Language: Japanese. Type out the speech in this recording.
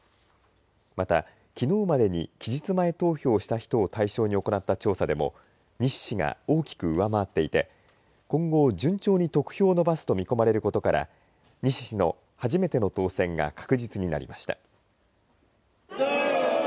また、きのうまでに期日前投票をした人を対象に行った調査でも西氏が大きく上回っていて今後順調に得票を伸ばすと見込まれることから西氏の初めての当選が確実になりました。